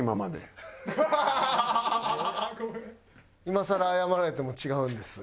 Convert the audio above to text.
今さら謝られても違うんです。